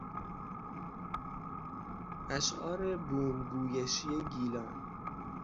اشعار بوم گویشی گیلان